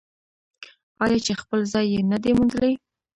آیا چې خپل ځای یې نه دی موندلی؟